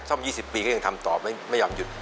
ซ่อมอยู่สิบปีก็ยังทำต่อไม่ยอมหยุด